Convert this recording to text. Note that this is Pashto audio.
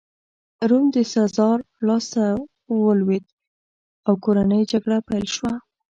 روم د سزار لاسته ولوېد او کورنۍ جګړه پیل شوه